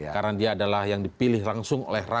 karena dia adalah yang dipilih langsung oleh pak ishak